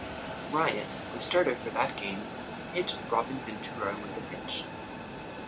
Ryan, the starter for that game, hit Robin Ventura with a pitch.